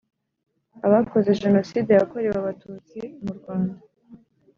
abakoze Jenoside yakorewe abatutsi mu Rwanda